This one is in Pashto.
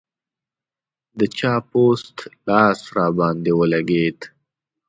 د چا پوست لاس راباندې ولګېد.